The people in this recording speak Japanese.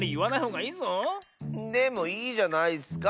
でもいいじゃないスか